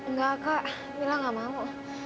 nggak kak mila nggak mau